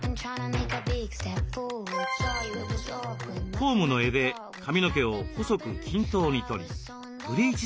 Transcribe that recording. コームの柄で髪の毛を細く均等に取りブリーチ